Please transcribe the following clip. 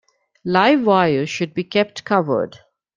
Live wires should be kept covered.